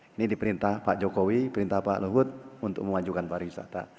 ini diperintah pak jokowi perintah pak luhut untuk memajukan pariwisata